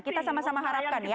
kita sama sama harapkan ya